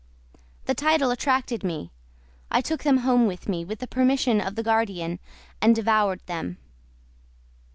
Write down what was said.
The title attracted me; I took them home with me, with the permission of the guardian, and devoured them.